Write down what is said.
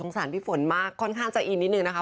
สารพี่ฝนมากค่อนข้างจะอินนิดนึงนะคะ